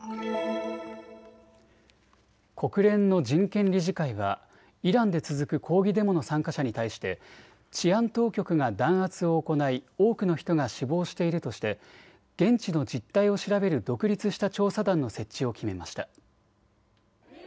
国連の人権理事会はイランで続く抗議デモの参加者に対して治安当局が弾圧を行い多くの人が死亡しているとして現地の実態を調べる独立した調査団の設置を決めました。